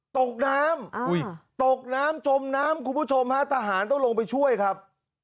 ตกน้ำตกน้ำจมน้ำคุณผู้ชมฮะทหารต้องลงไปช่วยครับ